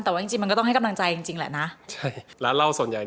แต่ว่าจริงมันก็ต้องให้กำลังใจจริงแหละนะ